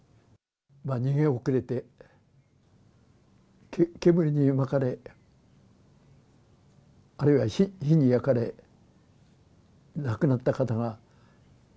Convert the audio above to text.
逃げ遅れて煙に巻かれ、あるいは火に焼かれ、亡くなった方が。